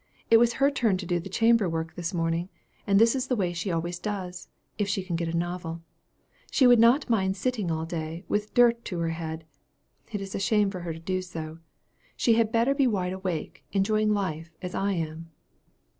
It was her turn to do the chamber work this morning; and this is the way she always does, if she can get a novel. She would not mind sitting all day, with dirt to her head. It is a shame for her to do so. She had better be wide awake, enjoying life, as I am."